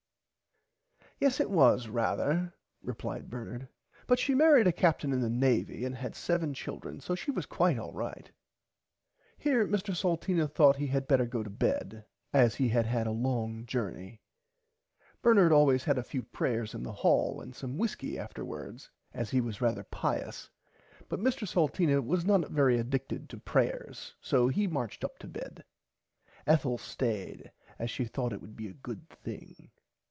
Yes it was rarther replied Bernard but she marrid a Captain in the Navy and had seven children so she was quite alright. Here Mr Salteena thourght he had better go to bed as he had had a long jornney. Bernard always had a few prayers in the hall and some whiskey afterwards as he was rarther pious but Mr Salteena was not very adicted to prayers so he marched up to bed. Ethel stayed as she thourght it would be a good thing.